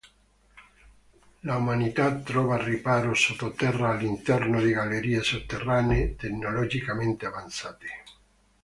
L'umanità trova riparo sottoterra all'interno di gallerie sotterranee, tecnologicamente avanzate.